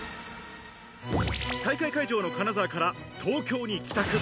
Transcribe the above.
大会会場の金沢から東京に帰宅。